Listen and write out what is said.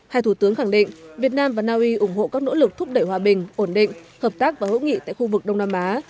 hai thủ tướng khẳng định việt nam và naui ủng hộ các nỗ lực thúc đẩy hòa bình ổn định hợp tác và hữu nghị tại khu vực đông nam á